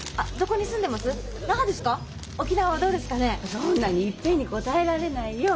そんなにいっぺんに答えられないよ。